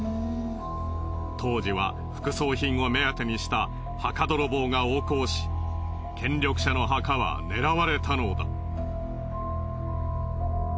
当時は副葬品を目当てにした墓泥棒が横行し権力者の墓は狙われたのだ。